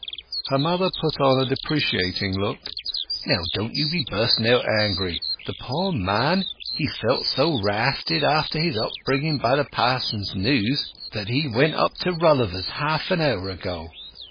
Her mother put on a deprecating look. "Now don't you be bursting out angry! The poor man—he felt so rafted after his uplifting by the pa'son's news—that he went up to Rolliver's half an hour ago.